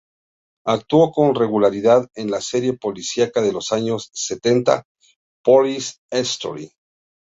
Actuó con regularidad en la serie policíaca de los años setenta "Police Story".